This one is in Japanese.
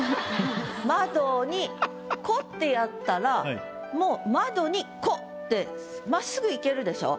「窓に子」ってやったらもう「窓に子」でまっすぐいけるでしょ？